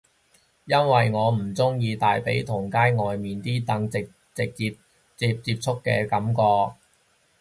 因為我唔鍾意大髀同街外面啲凳直接接觸嘅感覺